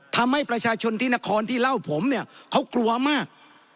ทำให้ประชาชนที่นครที่เล่าผมเนี่ยเขากลัวมาก